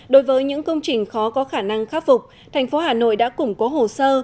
đối với những công trình khó có khả năng khắc phục thành phố hà nội đã củng cố hồ sơ